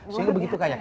sehingga begitu kaya